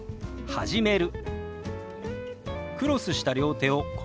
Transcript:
「始める」。